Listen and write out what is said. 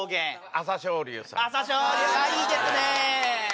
朝青龍あっいいですね！